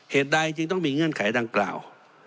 เหตุใดจึงต้องมีเงื่อนไขดังกล่าว